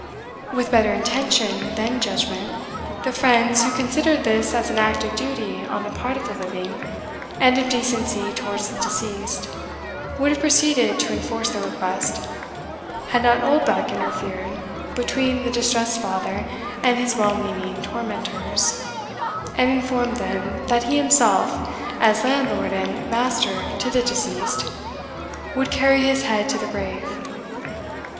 With better intention than judgment, the friends, who considered this as an act of duty on the part of the living, and of decency towards the deceased, would have proceeded to enforce their request, had not Oldbuck interfered between the distressed father and his well meaning tormentors, and informed them, that he himself, as landlord and master to the deceased, "would carry his head to the grave."